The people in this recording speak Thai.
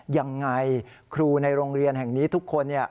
ยังไงครูในโรงเรียนแห่งนี้ทุกคน